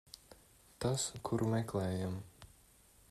Tas, kuru meklējām.